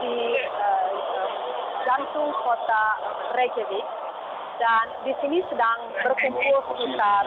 dua belas ribu orang